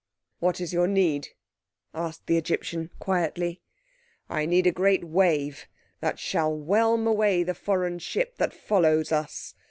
"What is your need?" asked the Egyptian quietly. "I need a great wave that shall whelm away the foreign ship that follows us.